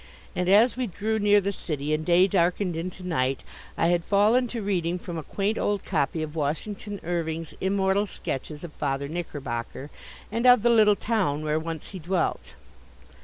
And as we drew near the city, and day darkened into night, I had fallen to reading from a quaint old copy of Washington Irving's immortal sketches of Father Knickerbocker and of the little town where once he dwelt.